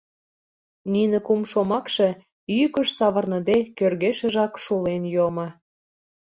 Нине кум шомакше, йӱкыш савырныде, кӧргешыжак шулен йомо.